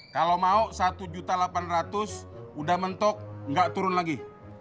kalau mau rp satu delapan ratus udah mentok nggak turun lagi